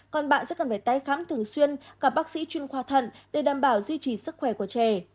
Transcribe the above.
còn bạn sẽ cần phải tái khám thường xuyên gặp bác sĩ chuyên khoa thận để đảm bảo duy trì sức khỏe của trẻ